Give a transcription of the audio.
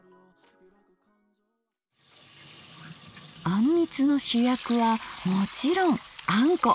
あんみつの主役はもちろんあんこ！